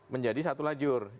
menjadi satu lajur